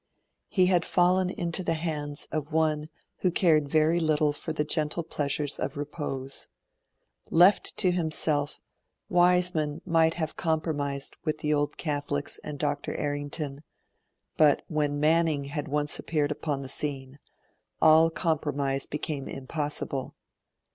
He had fallen into the hands of one who cared very little for the gentle pleasures of repose. Left to himself, Wiseman might have compromised with the Old Catholics and Dr. Errington; but when Manning had once appeared upon the scene, all compromise became impossible.